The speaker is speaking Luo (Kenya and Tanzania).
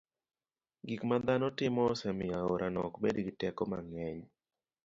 Gik ma dhano timo osemiyo aorano ok bed gi teko mang'eny.